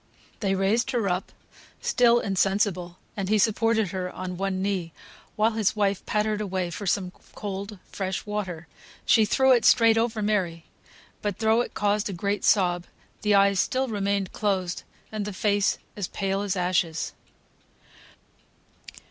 They raised her up, still insensible, and he supported her on one knee, while his wife pattered away for some cold fresh water. She threw it straight over Mary; but though it caused a great sob, the eyes still remained closed, and the face as pale as ashes.